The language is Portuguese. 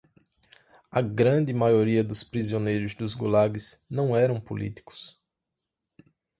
A grande maioria dos prisioneiros dos gulags não eram políticos